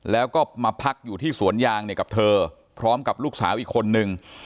แล้วก็มาพักอยู่ที่สวนยางเนี่ยกับเธอพร้อมกับลูกสาวอีกคนนึง